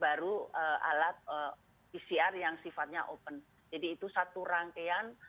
baru alat pcr yang sifatnya open jadi itu satu rangkaian baru alat pcr yang sifatnya open jadi itu satu rangkaian